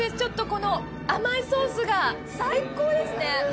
この甘いソースが最高ですね。